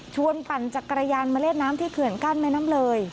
ชวนปั่นจากกระยานมาเล็ดน้ำที่เขื่อนกั้นแรงน้ำเลย